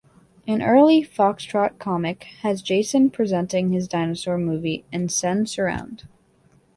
An early "FoxTrot" comic has Jason presenting his dinosaur movie in Sensurround.